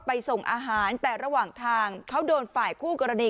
ส่งอาหารแต่ระหว่างทางเขาโดนฝ่ายคู่กรณี